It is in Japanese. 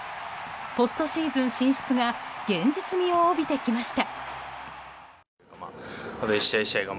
ポストシーズン進出が現実味を帯びてきました。